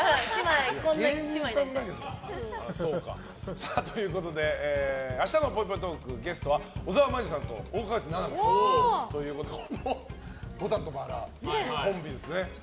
芸人さんだけど。ということで明日のぽいぽいトークゲストは小沢真珠さんと大河内奈々子さんということで「牡丹と薔薇」コンビですね。